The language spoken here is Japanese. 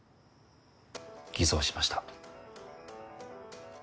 偽造しました